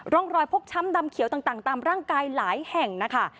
ร่องรอยพกช้ำดำเขียวต่างตามร่างกายหลายแห่งนะคะ